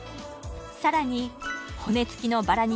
さらに骨付きのバラ肉